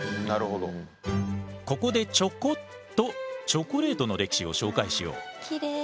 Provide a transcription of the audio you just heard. ここでちょこっとチョコレートの歴史を紹介しよう。